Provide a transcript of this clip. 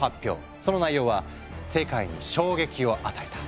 その内容は世界に衝撃を与えた。